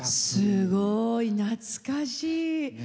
すごい、懐かしい。